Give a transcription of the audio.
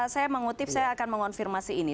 saya mengutip saya akan mengonfirmasi ini